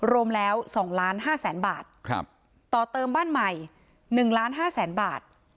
รวมแล้วสองล้านห้าแสนบาทครับต่อเติมบ้านใหม่หนึ่งล้านห้าแสนบาท